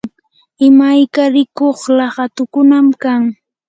imayka rikuq laqatukunam kan.